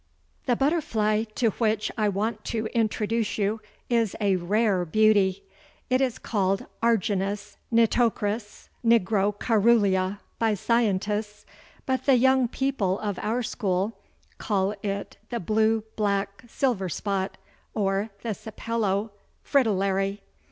The butterfly to which I want to introduce you is a rare beauty! It is called Argynnis nitocris nigrocaerulea by scientists, but the young people of our school call it the blue black silver spot or the Sapello Fritillary.